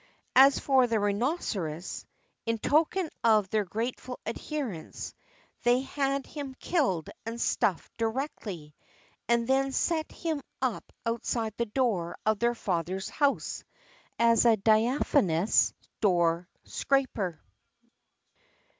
As for the rhinoceros, in token of their grateful adherence, they had him killed and stuffed directly, and then set him up outside the door of their father's house as a diaphanous door scraper.